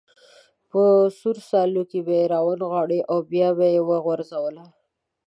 په سور سالو کې به یې را ونغاړله او بیا به یې وروغورځوله.